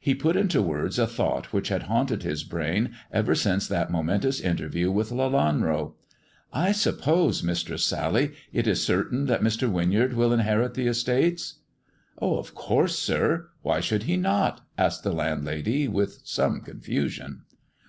He put into words a thought which had haunted his brain ever since that momentous interview with Lelanro. " I suppose. Mistress Sally, it is certain that Mr. Winyard will inherit the estates 1 "" Of course, sir ! Why should he not ]" asked the land lady, with some confusion.